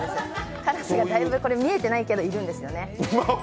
カラス、見えてないけどいるんですよね。